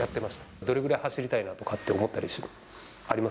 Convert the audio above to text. どれぐらい走りたいなとか思ったりあります？